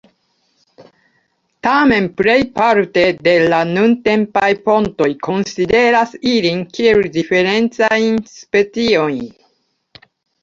Tamen, plejparte de la nuntempaj fontoj konsideras ilin kiel diferencajn speciojn.